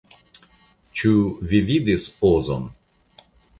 Ĉu vi vidis Ozon?